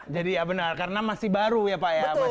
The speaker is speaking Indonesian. jadi ya benar karena masih baru ya pak ya